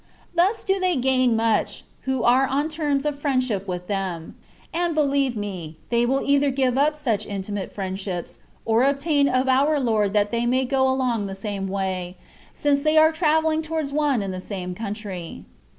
Thus do they gain much, who are on terms of friendship with them ; and believe me, they will either give up such intimate friendship, or obtain of our Lord that they may go along the same way, since they are travelling towards one and the same country.